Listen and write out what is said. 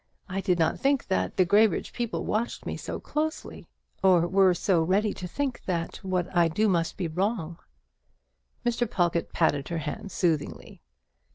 I did not think that the Graybridge people watched me so closely, or were so ready to think that what I do must be wrong." Mr. Pawlkatt patted her hand soothingly.